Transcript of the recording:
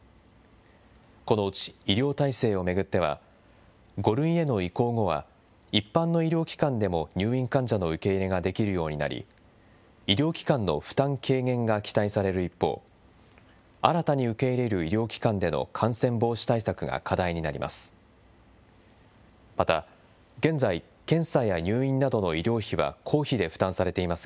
このうち医療体制を巡っては、５類への移行後は、一般の医療機関でも入院患者の受け入れができるようになり、医療機関の負担軽減が期待される一方、新たに受け入れる医療機関での感染防止対策が課題になります。